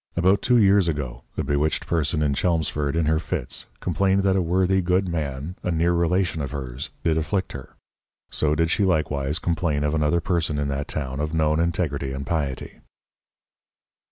About two Years ago, a bewitched Person in Chelmsford in her Fits, complained that a worthy good Man, a near Relation of hers did afflict her: So did she likewise complain of another Person in that town of known integrity and Piety.